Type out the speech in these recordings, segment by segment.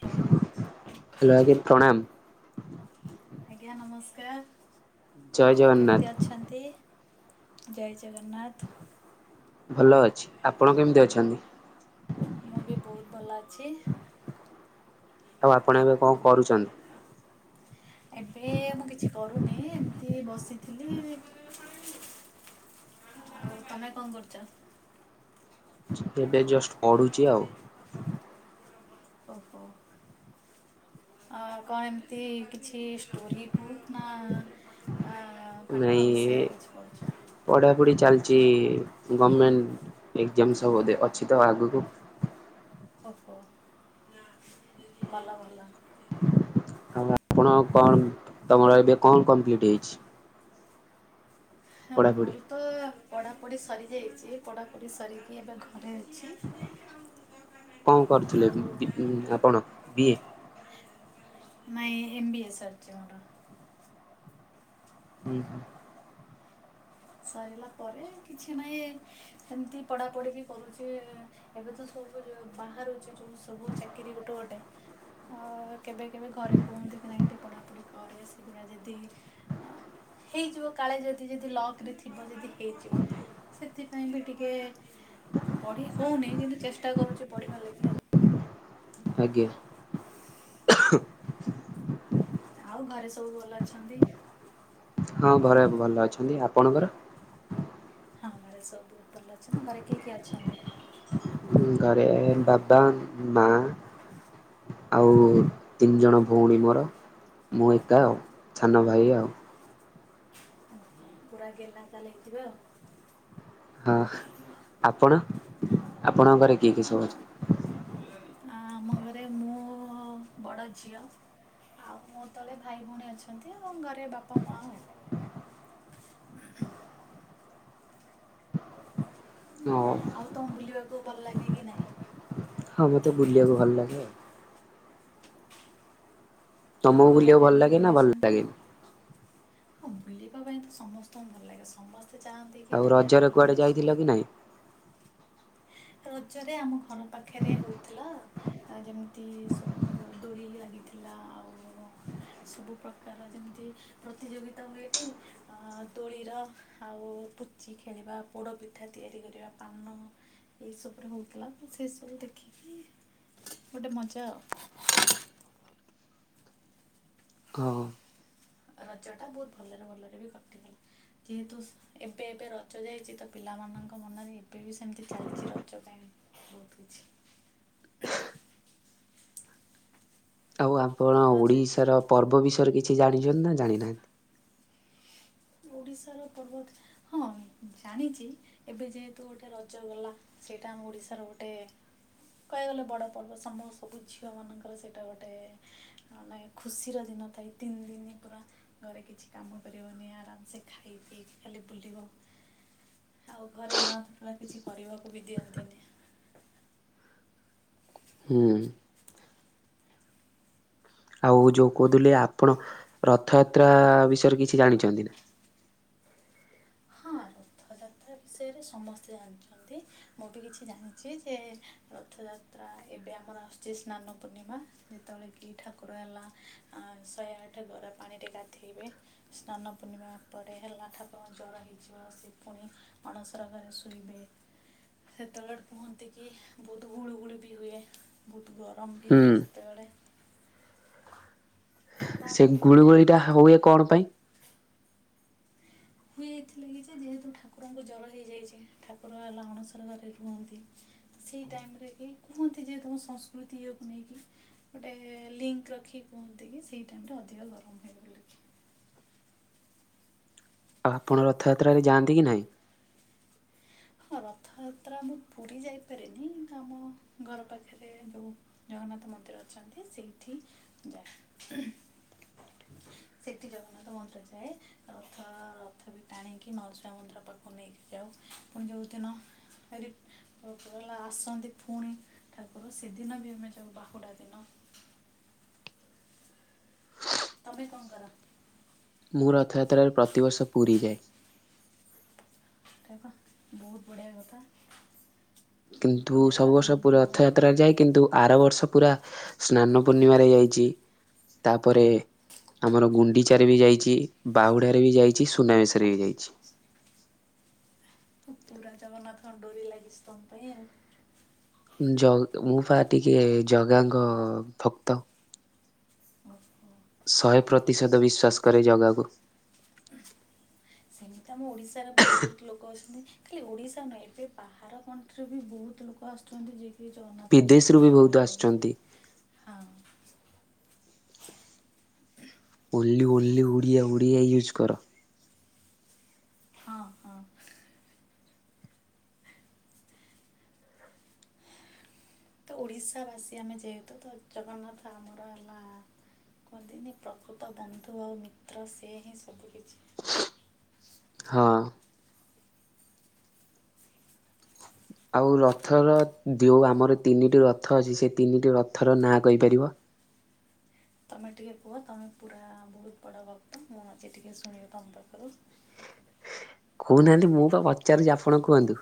Hello ଖାଲି ଆଗେ ପ୍ରଣାମ। ଆଜ୍ଞା ନମସ୍କାର। ଜୟ ଜଗନ୍ନାଥ କେମତି ଅଛନ୍ତି? ଜୟ ଜଗନ୍ନାଥ। ଭଲ ଅଛି। ଆପଣ କେମତି ଅଛନ୍ତି? ମୁଁ ବି ବୋଉତ ଭଲ ଅଛି। ଆଉ ଆପଣ ଏବେ କଁ କରୁଚନ୍ତି? ଏବେ ମୁଁ କିଛି କରୁନି ଏମତି ବସିଥିଲି। ଆଉ ତମେ କଁ କରୁଚ? ଏବେ ଜଷ୍ଟ୍ ପଢୁଛି ଆଉ। ଓହୋ। ଆଉ କଁ ଏମତି କିଛି ଷ୍ଟୋରି ବୁକ୍ ନା ଆ ପାଠ ନାଇଁ ବିଷୟରେ କିଛି ପଢ଼ୁଛ? ପଢାପଢି ଚାଲିଚି ଗମେଣ୍ଟ ଏକ୍ଜାମ ସବୁ ଦେ ଅଛି ତ ଆଗୁକୁ। ଓହୋ ଭଲ ଭଲ। ଆଉ ଆପଣ କଣ୍ ତମର ଏବେ କଣ କମ୍ପ୍ଲିଟ୍ ହେଇଛି। ହଁ ପଢ଼ାପଢ଼ି ମୋର ତ ପଢାପଢି ସରିଯାଇଚି ପଢାପଢି ସାରିକି ଏବେ ଘ ରେ ଅଛି। କଣ କରୁଥିଲେ ଆଉ ଆପଣ ବିଏ ନାଇଁ ଏମ୍ ବି ଏ ସରିଚି ମୋର। ହୁଁ ହୁଁ। ସରିଲା ପରେ କିଛି ନାଇଁ ଏ ଏମତି ପଢାପଢି ବି କରୁଚି ଏଁ ଏବେ ତ ସବୁ ଯୋଉ ବାହାରୁଛି ଯୋଉ ସବୁ ଚାକିରି ଗୋଟେ ଗୋଟେ ଅ କେବେ କେବେ ଘରେ କୁହନ୍ତି କି ନାଇଁ ଟିକେ ପଢାପଢି କରେ ସେଗୁରା ଯଦି ଆ ହେଇଯିବ କାଳେ ଯଦି ଯଦି ଲକ୍ ରେ ଥିବ ଯଦି ହେଇଯିବ ସେଥିପାଇଁ ବି ଟିକେ ଉଁ ପଢି ହଉନେଇ କିନ୍ତୁ ଚେଷ୍ଟା କରୁଚି ପଢିବା ଲାଗି ଆଉ। ଆଜ୍ଞା। ଆଉ ଘରେ ସବୁ ଭଲ ଅଛନ୍ତି? ହଁ ଘରେ ଭଲ ଅଛନ୍ତି। ଆପଣଙ୍କର? ଆମ ଘରେ ସବୁ ବୋଉତ ଭଲ ଅଛନ୍ତି। ଘରେ କିଏ କିଏ ଅଛନ୍ତି? ହୁଁ ଘରେ ବାବା ଉଁ ମା ଆଉ ତିନ ଜଣ ଭଉଣୀ ମୋର। ମୁଁ ଏକା ଆଉ ଛାନ ଭାଇ ଆଉ। ଓହୋ, ପୁରା ଗେହ୍ଲା ତାହେଲେ ହେଇଥିବେ ଆଉ। ହଁ ଆପଣ ଆପଣଙ୍କ ଘରେ କିଏ କିଏ ଆଉ ସବୁ ହେଲା ଅଛ ଆମ ଘରେ ମୁଁ ବଡ ଝିଅ। ଆଉ ମୋ ତଳେ ଭାଇ ଭଉଣୀ ଅଛନ୍ତି ଆମ ଘରେ ବାପା ମାଆ ଆଉ। ଓ ଆଉ ତମୁ ବୁଲିବାକୁ ଭଲ ଲାଗେ କି ନାଇଁ? ହଁ ମୋତେ ବୁଲିଆକୁ ଭଲ ଲାଗେ ଆଉ। କୋଉ ତମକୁ କୋଉ ବୁଲିବାକୁ ଜାଗା ଭଲ ଏମତି ଲାଗେ ନା ଭଲ ବୁଲିଚନ୍ତି? ଲାଗେନି? ହଁ ବୁଲିବା ପାଇଁ ତ ସମସ୍ତଙ୍କୁ ଭଲ ଲାଗେ ସମସ୍ତେ ଚାହାଁନ୍ତି କି ଆଉ ଟିକେ ଆମେ ରଜରେ କୁଆଡେ ବୁଲି ଆସୁ। ଯାଇଥିଲ କି ନାଇଁ? ରଜରେ ଆମ ଘର ପାଖେରେ ହଉଥିଲା ଆଁ ଯେମତି ସବୁ ଦୋଳି ଲାଗିଥିଲା ଆଉ ସବୁ ପ୍ରକାର ଯେମତି ପ୍ରତିଯୋଗିତା ହୁଏଟି ଆଁ ଦୋଳିର ଆଉ ପୁଚି ଖେଳିବା ପୋଡପିଠା ତିଆରି କରିବା ପାନ ମୋ ଏଇସବୁରେ ହଉଥିଲା ମୁଁ ସେସବୁ ଦେଖିକି ଗୋଟେ ମଜା ଆଉ। ହଁ। ରଜ ଟା ବହୁତ ଭଲରେ ଭଲରେ ବି କଟିଲା। ଯେହେତୁ ଏବେ ଏବେ ରଜ ଯାଇଛି ତ ପିଲାମାନଙ୍କ ମନରେ ଏବେ ବି ସେମିତି ଚାଲିଛି ରଜ ପାଇଁ। ବହୁତ କିଛି। ଆଉ ଆପଣ ରଜରେ ଓଡ଼ିଶାର ପର୍ବ ବିଷୟରେ କିଛି ଜାଣିଛନ୍ତି ନା ଜାଣିନାହାନ୍ତି? ଓଡ଼ିଶାର ପର୍ବତ ହଁ ଜାଣିଛି। ଏବେ ଯେହେତୁ ଗୋଟେ ରଜ ଗଲା ସେଇଟା ଆମ ଓଡିଶାର ଗୋଟେ କହିବାକୁ ଗଲେ ବଡ ପର୍ବ ସମ ସବୁ ଝିଅ ମାନଙ୍କର ସେଇଟା ଗୋଟେ ନାଇଁ ଖୁସିର ଦିନ ଥାଏ ତିନି ଦିନ ପୁରା ଘରେ କିଛି କାମ କରିବନି। ଆ ଖାଇ ଦେଇ ଖାଲି ବୁଲିବ। ଆଉ ଘରେ ମା ବାପା କିଛି କରିବାକୁ ବି ଦିଅନ୍ତିନି। ହୁଁ। ଆଉ ଯୋଉ କହୁଥିଲେ ଆପଣ ରଥଯାତ୍ରା ବିଷୟରେ କିଛି ଜାଣିଛନ୍ତି? ଯାତ୍ରା ବିଷୟରେ ସମସ୍ତେ ଜାଣିଛ ନ୍ତି ମୁଁ ବି କିଛି ଜାଣିଛି ଯେ ରଥଯାତ୍ରା ଏବେ ଆମର ଆସୁଛି ସ୍ନାନ ପୂର୍ଣ୍ଣିମା। ଯେତେବେଳେ କି ଠାକୁର ହେଲା ଶହେ ଆଠ ଗରା ପାଣିରେ ଗାଧେଇବେ। ସ୍ନାନ ପୂର୍ଣ୍ଣିମା ପରେ ହେଲା ଠାକୁରଙ୍କ ଜଳ ହେଇଯିବ ସେ ପୁଣି ଅଣସର ଘରେ ଶୋଇବେ। ସେତେବେଳେ କୁହନ୍ତି କି ବହୁତ ଗୁଳୁଗୁଳିୁ ବି ହୁଏ ବହୁତ ଗରମ ବି ହୁଁ ହୁଏ ସେତେବେଳେ। ସେ ତାପରେ ଗୁଳିଗୁଳି ଟା ହୁଏ କଣ ପାଇଁ? ହୁଏ ଏଇଥିଲାଗି ଯେ ଯେହେତୁ ଠାକୁରଙ୍କୁ ଜର ହେଇଯାଇଛି। ଠାକୁର ହେଲା ଅଣସର ଘରେ ରୁହନ୍ତି। ସେଇ ଟାଇମ୍ ରେ କି କୁହନ୍ତି ଯେ ତୁମ ସଂସ୍କୃତି ଇଏକୁ ନେଇକି ଗୋଟେ ଲିଙ୍କ୍ ରଖିକି କୁହନ୍ତି କି ସେଇ ଟାଇମ୍ ରେ ଅଧିକ ଗରମ ହୁଏ ବୋଲି। ଆଉ ଆପଣ ରଥଯାତ୍ରାରେ ଯାଆନ୍ତି କି ନାହିଁ? ହଁ ରଥଯାତ୍ରା ମୁଁ ପୁରୀ ଯାଇପାରେନି କିନ୍ତୁ ଆମ ଘର ପାଖରେ ଯୋଉ ଜଗନ୍ନାଥ ମନ୍ଦିର ଅଛନ୍ତି ସେଇଠି ଯାଏ। ସେଠି ଜଗନ୍ନାଥ ମନ୍ଦିର ଥାଏ। ରଥ ରଥ ବି ଟାଣିକି ମାଉସୀମା ମନ୍ଦିର ପାଖକୁ ନେଇକି ଯାଉ ପୁଣି ଯୋଉଦିନ ଆରେ ଲା ଆସନ୍ତି ଫୁଣି ଠାକୁର ସେଦିନ ବି ଆମେ ଯାଉ ବାହୁଡ଼ା ଦିନ। ତମେ କଣ କର? ମୁଁ ରଥଯାତ୍ରାରେ ପ୍ରତିବର୍ଷ ପୁରୀ ଯାଏ। [unintelligible] ବହୁତ ବଢ଼ିଆ କଥା। କିନ୍ତୁ ଜଗା ସବୁ ବର୍ଷ ତମକୁ ପୁର ହେଲା ରଥଯାତ୍ରାରେ ଯାଏ କିନ୍ତୁ ଆର ବର୍ଷ ପୁରା ସ୍ନାନ ପୂର୍ଣ୍ଣିମାରେ ଯାଇଚି ତାପରେ ଆମର ଗୁଣ୍ଡିଚାରେ ବି ଯାଇଚି ବାହୁଡ଼ାରେ ବି ଯାଇଚି ସୁନାବେଶରେ ବି ଯାଇଚି। ପୁ ପୁରା ଜଗନ୍ନାଥଙ୍କ ଡୋରି ଲାଗିଛି ତମ ପାଇଁ ଆଉ। ଜଗ ମୁଁପା ଟିକେ ଜଗାଙ୍କ ଭକ୍ତ। ଓହୋ। ଶହେ ପ୍ରତିଶତ ବିଶ୍ୱାସ କରେ ଜଗାକୁ। ସେମିତି ଆମ ଓଡିଶାରେ ବହୁତ ଲୋକ ଅଛନ୍ତି। ଖାଲି ଓଡ଼ିଶା ନୁହେଁ ଏବେ ବାହାର କଣ୍ଟ୍ରିରେ ବି ବହୁତ ଲୋକ ଆସୁଛନ୍ତି ଯେ। ଶ୍ରୀ ଜଗନ୍ନାଥଙ୍କୁ ବିଦେଶରୁୁ ଦର୍ଶନ ବି ବହୁତ କରିବାର ଲାଗି ଆସୁଛନ୍ତି। ହଁ। Only only Odia Odia use କର। ହଁ ହଁ। ତ ଓଡ଼ିଶାବାସୀ ଆମେ ଯେହେତୁ ତ ଜଗନ୍ନାଥ ଆମର ହେଲା କଦିନୀ ପ୍ରକୃତ ବନ୍ଧୁ ଆଉ ମିତ୍ର ସେ ହିଁ ସବୁକିଛି। ହଁ। ଆଉ ରଥର ଯେଉଁ ଆମର ତିନିଟି ରଥ ଅଛି ସେ ତିନିଟି ରଥର ନାଁ କହିପାରିବ? ତମେ ଟିକେ କୁହ ତମେ ପୁରା ବହୁତ ବଡ଼ ଭକ୍ତ ମୁଁ ଆଜି ଟିକେ ଶୁଣିବି ତମ ପାଖରୁ କହୁନାହାନ୍ତି ମୁଁ ପା ପଚାରୁଚି ଆପଣ କୁହନ୍ତୁ।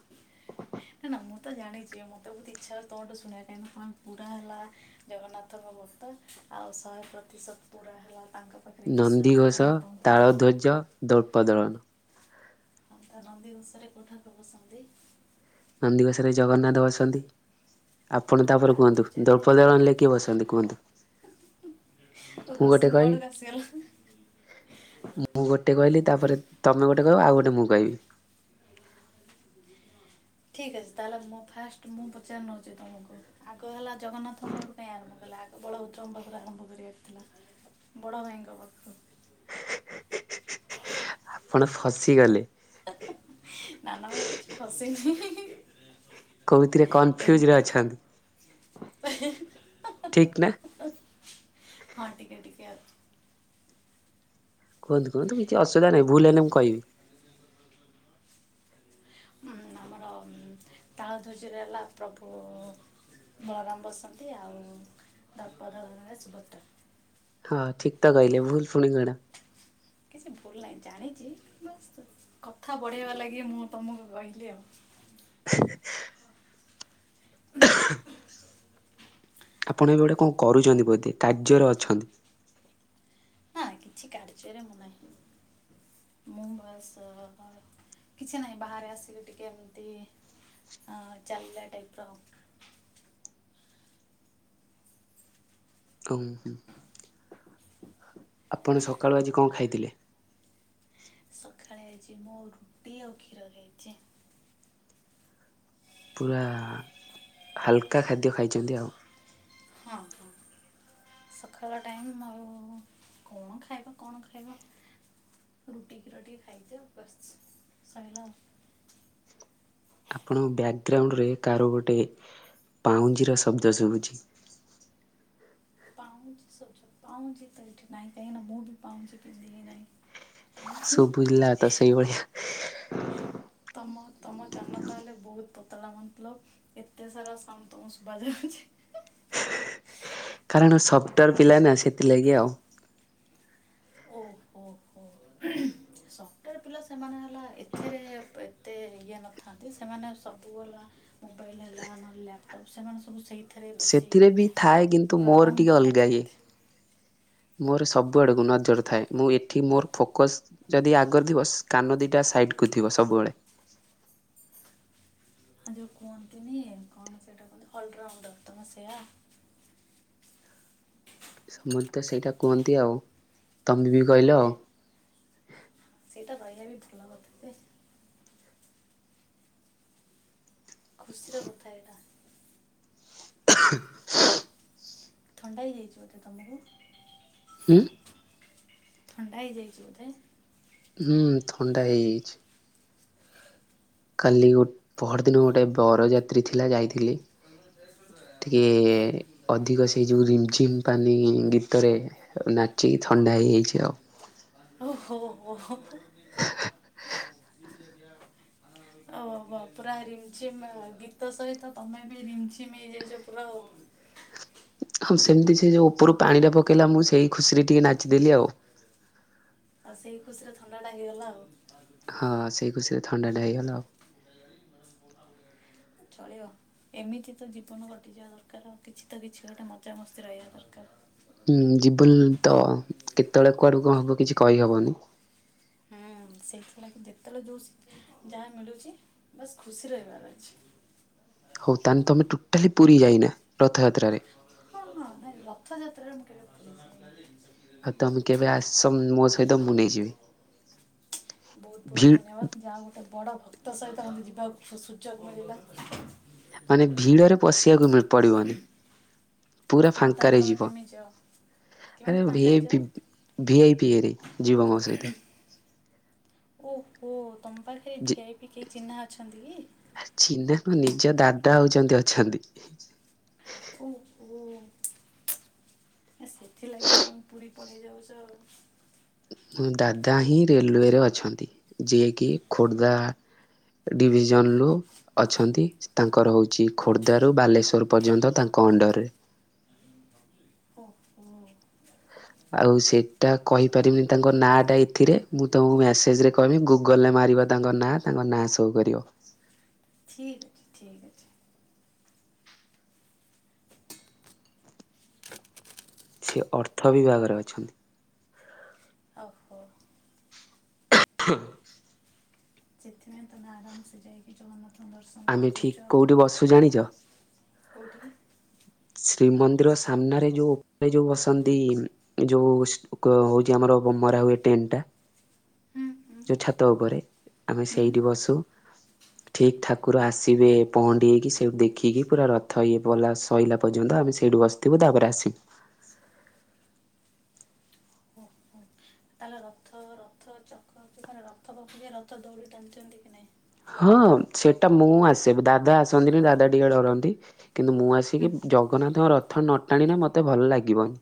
ନାଇଁ ନା ମୁଁ ତ ଜାଣିଚି ମତେ ବହୁତ ଇଚ୍ଛାତମଠୁ ଶୁଣିବାପାଇଁ [unintelligible] ପୁରା ହେଲା ଜଗନ୍ନାଥଙ୍କ ବ୍ରତ୍ତ ଆଉ ଶହେ ପ୍ରତିଶତ ପୁରା ହେଲା ତାଙ୍କ ପାଖରେ ବିଶ୍ୱାସ ତ ନନ୍ଦିଘୋଷ ମୁଁ ତମକୁ ତାଳଧ୍ୱଜ ଦଳ୍ପ ଦଳ। [unintelligible] ନନ୍ଦୀଘୋଷରେ କୋଉ ଠାକୁର ବସନ୍ତି? ନନ୍ଦୀଘୋଷରେ ଜଗନ୍ନାଥ ବସନ୍ତି। ଆପଣ ଆଉ ତାପରେ ତାଳ କୁହନ୍ତୁ ଧ୍ୱଜାରେ ଦଳପଦଳନରେ କିଏ ବସନ୍ତି କୁହନ୍ତୁ? ଓ ମୁଁ ଗୋଟେ କ୍ୱେସଚିନ ମୋ କହିବି ଆଡକୁ ଆସିଗଲା। ମୁଁ ଗୋଟେ କହିଲି ତାପରେ ତମେ ଗୋଟେ କହିବ ଆଉ ଗୋଟେ ମୁଁ କହିବି। ଠିକ୍ ଅଛି ତାହେଲେ ମୁଁ ଫାଷ୍ଟ ମୁଁ ପଚାରି ନଉଛି ତମକୁ। ଆଗ ହେଲା ଜଗନ୍ନାଥଙ୍କ ପାଖରୁ କାଇଁ ଆରମ୍ଭ କଲା ଆଗ ବଳଭଦ୍ରଙ୍କ ପାଖରୁ ଆରମ୍ଭ କରିବାର ଥିଲା। ବଡ ଭାଇଙ୍କ ପାଖରୁ। ଆପଣ ଫସିଗଲେ। ନାନା ମୁଁ କିଛି ଫସିନୀ। କୋଉଥିରେ କନଫ୍ୟୁଜରେ ଅଛନ୍ତି ଏମିତି ଠିକ ନା। ହଁ ଟିକେ ଟିକେ ଆଉ କୁହନ୍ତୁ କୁହନ୍ତୁ କିଛି ଅସବିଧା ନାହିଁ ଭୁଲ ହେଲେ ମୁଁ କହିବି। ଉଁ, ଆମର ତାଳ ଧୁଜିରେ ହେଲା ପ୍ରଭୁ ବଳରାମ ବାସନ୍ତୀ ତା ପର ରେ ସୁଭଦ୍ରା। ହଁ ଠିକ ତ କହିଲେ ଭୁଲ ଶୁଣିକିନା। କିଛି ଭୁଲ ନାହିଁ ଜାଣିଛି ବାସ କଥା ବଢ଼େଇବା ଲାଗି ମୁଁ ତୁମକୁ କହିଲି ଆଉ। [inaudible] [inaudible] ଆପଣ ଏବେ ଗୋଟେ କଣ କରୁଛନ୍ତି ବୋଧେ କାର୍ଯ୍ୟରେ ଅଛନ୍ତି? ନା କିଛି କାର୍ଯ୍ୟରେ ମୁଁ ନାହିଁ। ମୁଁ ବାସ କିଛି ନାହିଁ ବାହାରେ ଆସିଲି ଟିକେ ଏମତି ଅ ଚାଲିଲ ଟାଇପ ର ଗୁମ ଆପଣ ସକାଳୁ ଆଜି କଣ ଖାଇଥିଲେ? ସକାଳେ ହେଇଛି ମୁଁ ରୁଟି ଆଉ କ୍ଷୀର ଖାଇଛି। ପୁରା ହାଲକା ଖାଦ୍ୟ ଖାଇଛନ୍ତି ଆଉ। ହଁ ହଁ। ସକାଳ ଟାଇମ୍ ଆଉ କଣ ଖାଇବା କଣ ଖାଇବା। ରୁଟି କ୍ଷୀର ଟିକେ ଖାଇଦିଅ ବସ୍ ଶଇଲା ଆଉ। ଆପଣଙ୍କ ବ୍ୟାକ୍ଗ୍ରାଉଣ୍ଡରେ କାର ଗୋଟେ ପାଉଁଞ୍ଜିର ଶବ୍ଦ ଶୁଭୁଛି। ପାଉଁଜି ସ ପାଁଉଁଜି ତ ଏଇଠି ନାହିଁ କାହିଁ ନା ମୁଁ ବି ପାଁଉଁଛି ପିଧି ହି ନାହିଁ। ଶୁଭିଲା ତ ସେଇଭଳିଆ। ତମ ତମ କାନଟ ହେଲେ ବହୁତ ପତଳା ମନ୍ତଲ। ଏତେ ସାରା ସନ୍ତୋଷ ଶୁଭା ଯାଉଛି। କାରଣ ଶବ୍ଦ ପିଲା ନା ସେଥିଲାଗି ଆଉ। ଓହୋ ହୋ ହୋ ଶବ୍ଦ ପିଲା ସେମାନେ ହେଲା ଏଥିରେ ଏତେ ଇଏ ନଥାନ୍ତି ସେମାନେ ସବୁ ହେଲା ମୋବାଇଲ ହେଲା ନହେଲେ ଲ୍ୟାପଟପ୍ ସେମାନେ ସବୁ ସେଇ ସେଥିରେ ବି ଥାଏ କିନ୍ତୁ ମୋର ଟିକେ ପ୍ରାରଙ୍ଗମ ଅଲଗା ହଇଏ ଥାନ୍ତି ମୋର ସବୁଆଡେ ଗୁଣ ଜର ଥାଏ ମୁଁ ଏଠି ମୋର ଫୋକସ ଯଦି ଆଗରେ ଥିବ କାନଦୀଟା ସାଇଡ କୁ ଥିବ ସବୁବେଳେ। ଆ ଯୋଉ କୁହନ୍ତିନି କଣ ସେଇଟା କୁହନ୍ତି ଅଲରାଉଣ୍ଡ ତମ ସେୟା। ସମସ୍ତେ ତ ସେଇଟା କୁହନ୍ତି ଆଉ ତମେ ବି କହିଲ ଆଉ। ସେଇଟା ରହିବା ବି ଭଲ କଥା ଟେ। ଖୁସିର କଥା ଏଇଟା। [inaudible] ଥଣ୍ଡା ହେଇଯାଇଛି ବୋତେ ତମକୁ? ହୁଁ। ଥଣ୍ଡା ହେଇଯାଇଛି ବୋଧେ? ହୁଁ ଥଣ୍ଡା ହେଇଯାଇଛି। କାଲି ଗୋଟ ପହରଦିନ ଗୋଟେ ବରଯାତ୍ରୀ ଥିଲା ଯାଇଥିଲି। ଟିକେ ଅଧିକ ସେଇ ଯୋଉ ରିମ୍ଝିମ୍ ପାନି ଗୀତରେ ଆଉ ନାଚିକି ଥଣ୍ଡା ହେଇଯାଇଛି ଆଉ। ଓ ହୋ ହୋ। ଓ ପୁରା ରିମ୍ଝିମ ଗୀତ ସହିତ ତମେ ବି ରିମ୍ଝମ ହେଯାଇଛ ପୁରା ଆଉ। ହଁ ସେମିତି ସେ ଯେଉଁ ଉପରୁ ପାଣିଟା ପକେଇଲା ମୁଁ ସେଇ ଖୁସିରେ ଟିକେ ନାଚିଦେଲି ଆଉ। ଆଉ ସେଇ ଖୁସି ରେ ଥଣ୍ଡା ଟା ହେଇଗଲା ଆଉ। ହଁ ସେଇ ଖୁସି ରେ ଥଣ୍ଡା ଟା ହେଇଗଲା ଆଉ। ଛଳିବ। ଏମିତି ତ ଜୀବନ କଟିଯିବା ଦରକାର ଆଉ କିଛି ତ କିଛି ଗୋଟେ ମଜାମସ୍ତି ରହିବା ଦରକାର। ହୁଁ ଯିବୁନ ତ କେତେବେଳେ କୁଆଡକୁ କଣ ହବ କିଛି କହିହବନି। ସେଇଥିଲା କି ଯେତେବେଳେ ଯୋଉ ଯାହା ମିଳୁଛି ବସ୍ ଖୁସି ରହିବାର ଅଛି। ହଉ ତାହେଲେ ତମେ ଟୋଟାଲି ପୁରୀ ଯାଇନା ରଥଯାତ୍ରାରେ? ହଁ ହଁ ରଥଯାତ୍ରା ରେ ମୁ କେବେ [unintelligible] [unintelligible] ଆଉ ତମେ କେବେ ଆସ ମୋ ସହିତ ମୁଁ ନେଇଯିବି। ବହୁତ ବହୁତ ଭି ଧନ୍ୟବାଦ ଯାହା ଗୋଟେ ବଡ ଭକ୍ତ ସହିତ ମୋତେ ଯିବାକୁ ସୁଯୋଗ ମିଳିବା। ମାନେ ଭିଡରେ ପଶିବାକୁ ପଡିବନି। ପୁରା ଆଉ ତାହେଲେ ଫାଙ୍କାରେ ତମେ ଯିବ କେମିତି ଯାଅ କେମିତି ଆରେ ଏ ଫାଙ୍କାରେ ଯାଅ ଭିଆଇ ପିଇରେ ଯିବ ମୋ ସହିତ। ଓହୋ ତମ ପାଖରେ ଭିଆଇ ପି କେହି ଚିହ୍ନା ଅଛନ୍ତି କି? ଚିହନାକ ନିଜ ଦାଦା ହଉଛନ୍ତି ଅଛନ୍ତି। ଓ ଓ ସେଥିଲାଗି ତମେ ପୁରୀ ପୁଣି ଯାଉଛ ଆଉ। ମୋ ଦାଦା ହିଁ ରେଲୱେରେ ଅଛନ୍ତି ଯିଏକି ଖୋର୍ଦ୍ଧା ଡିଭିଜନ ଲ ଅଛନ୍ତି ତାଙ୍କର ହେଉଛି ଖୋର୍ଦ୍ଧାରୁ ବାଲେଶ୍ୱର ପର୍ଯ୍ୟନ୍ତ ତାଙ୍କ ଅଣ୍ଡରରେ। ଓହୋ। ଆଉ ସେଇଟା କହିପାରିବିନି ତାଙ୍କ ନାଁ ଟା ଏଥିରେ ମୁଁ ତମକୁ ମେସେଜ ରେ କହିବି ଗୁଗଲ ରେ ମାରିବ। ତାଙ୍କ ନାଁ ତାଙ୍କ ନାଁ ସୋ କରିବ। ଠିକ୍ ଅଛି ଠିକ୍ ଅଛି। ସେ ଅର୍ଥ ବିଭାଗରେ ଅଛନ୍ତି। ଓୋହୋ। ସେଥିପାଇଁ ତମେ ଆରାମ ସେ ଯାଇକି ଚଳନ ଆମେ ଠିକ୍ କେଉଁଠି ବସୁ ଜାଣିଛ? କେଉଠି? ଶ୍ରୀମନ୍ଦିର ସାମ୍ନାରେ ଯୋଉ ଉପରେ ଯୋଉ ବସନ୍ତି ଯୋଉ ହଉଛି ଆମର ବମରା ହୁଏ ଟେନ୍ ଟା। ହୁଁ ହୁଁ ଯେଉଁ ଛାତ ଉପରେ ଆମେ ହୁଁ ସେଇଠି ବସୁ। ଠିକ୍ ଠାକୁର ଆସିବେ ପହଣ୍ଡିଇକି ସେଇଠୁ ଦେଖିକି ପୁରା ରଥ ଇଏ ପଲାସ ସହିଲା ପର୍ଯ୍ୟନ୍ତ ଆମେ ସେଇଠୁ ବସିଥିବୁ ତାପରେ ଆସିବୁ। ଓହୋ ତାହେଲେ ରଥ ରଥ ଚକ ରଥ ପଖର ରଥ ଦୌଡ଼ି ଟାଣିଛନ୍ତି କି ନାଇଁ? ହଁ ସେଟା ମୁଁ ଆସେବି ଦାଦା ଆସନ୍ତିନି ଦାଦା ଟିକେ ଡରନ୍ତି। କିନ୍ତୁ ମୁଁ ହୁଁ ଆସିକି ହୁଁ ଜଗନ୍ନାଥଙ୍କ ରଥ ନଟାଣିଲେ ମତେ ଭଲ ଲାଗିବନି।